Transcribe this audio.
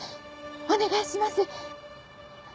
お願いします！